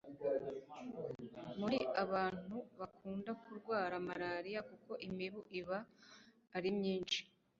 muyi, abantu bakunda kurwara malariya kuko imibu iba ari myinshi